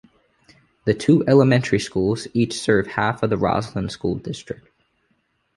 The two elementary schools each serve half of the Roslyn school district.